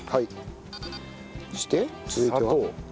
そして続いては？